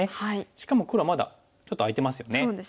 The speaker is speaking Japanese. しかも黒はまだちょっと空いてますよね。